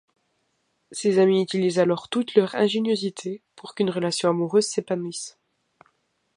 Ses amis utilisent alors toute leur ingéniosité pour qu'une relation amoureuse s'épanouisse.